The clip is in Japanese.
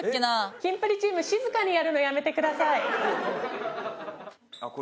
キンプリチーム静かにやるのやめてください。